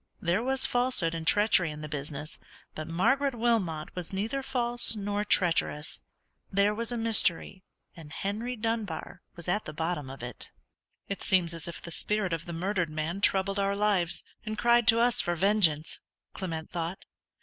There was falsehood and treachery in the business, but Margaret Wilmot was neither false nor treacherous. There was a mystery, and Henry Dunbar was at the bottom of it. "It seems as if the spirit of the murdered man troubled our lives, and cried to us for vengeance," Clement thought.